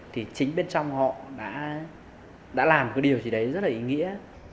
thì chính bên trong họ đã làm cái điều gì đấy rất là ý nghĩa